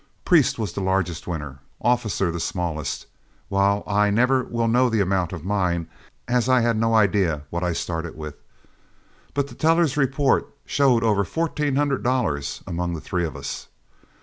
Priest was the largest winner, Officer the smallest, while I never will know the amount of mine, as I had no idea what I started with. But the tellers' report showed over fourteen hundred dollars among the three of us.